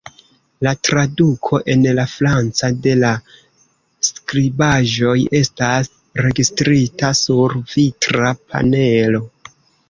La traduko en la franca de la skribaĵoj estas registrita sur vitra panelo.